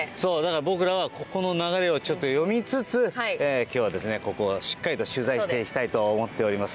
僕らはここの流れを読みつつ今日はしっかりと取材したいと思います。